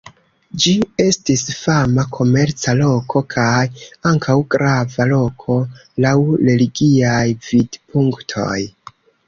Ĝi estis fama komerca loko kaj ankaŭ grava loko laŭ religiaj vidpunktoj.